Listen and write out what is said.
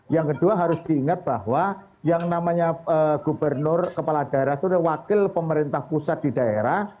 yang kedua harus diingat bahwa yang namanya gubernur kepala daerah itu adalah wakil pemerintah pusat di daerah